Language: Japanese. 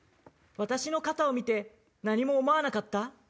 私の肩を見て何も思わなかった？